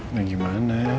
nah gimana ya